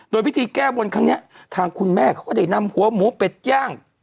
โดยพิธีแก้บนครั้งนี้ทางคุณแม่เขาก็ได้นำหัวหมูเป็ดย่าง